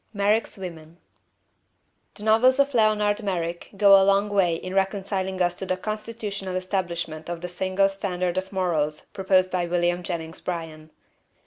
Merrick's Women The novels of Leonard Merrick go a long way in reconciling us to the constitutional establishment of the single standard of morals proposed by William Jennings Bryan.